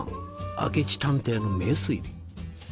明智探偵の名推理」。